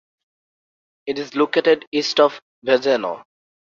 It is located east of Vedeno.